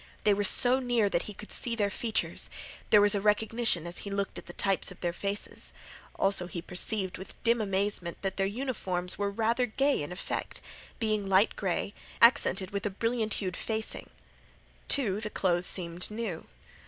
They were so near that he could see their features. There was a recognition as he looked at the types of faces. Also he perceived with dim amazement that their uniforms were rather gay in effect, being light gray, accented with a brilliant hued facing. Too, the clothes seemed new.